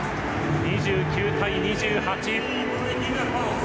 ２９対２８。